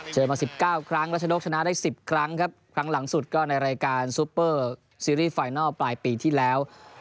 มา๑๙ครั้งรัชนกชนะได้๑๐ครั้งครับครั้งหลังสุดก็ในรายการซูเปอร์ซีรีส์ไฟนัลปลายปีที่แล้ว